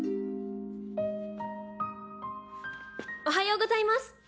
おはようございます。